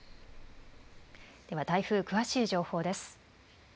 では台風、詳しい情報です。